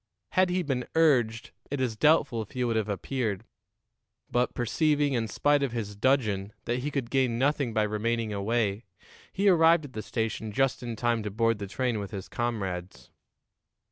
Had he been urged, it is doubtful if he would have appeared; but, perceiving, in spite of his dudgeon, that he could gain nothing by remaining away, he arrived at the station just in time to board the train with his comrades.